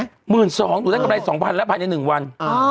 ๑๒๐๐บาทหนูได้กำไร๒๐๐๐บาทภายใน๑วัน